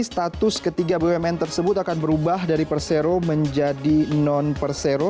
status ketiga bumn tersebut akan berubah dari persero menjadi non persero